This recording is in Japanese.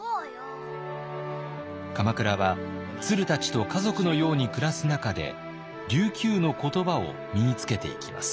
鎌倉はツルたちと家族のように暮らす中で琉球の言葉を身につけていきます。